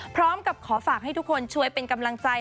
พร้อมกับขอฝากให้ทุกคนช่วยเป็นกำลังใจ